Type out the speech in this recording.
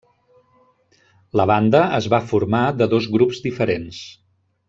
La banda es va formar de dos grups diferents.